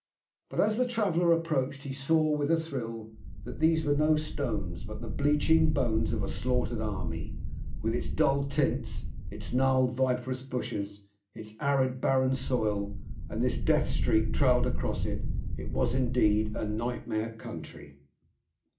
But as the traveller approached he saw, with a thrill, that these were no stones, but the bleaching bones of a slaughtered army. With its dull tints, its gnarled, viprous bushes, its arid, barren soil, and this death streak trailed across it, it was indeed a nightmare country.